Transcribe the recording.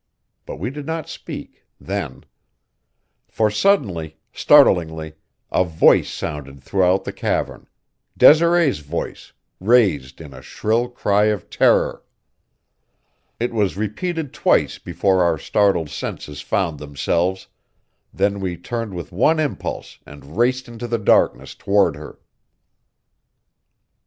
But we did not speak then. For suddenly, startlingly, a voice sounded throughout the cavern Desiree's voice, raised in a shrill cry of terror. It was repeated twice before our startled senses found themselves; then we turned with one impulse and raced into the darkness toward her.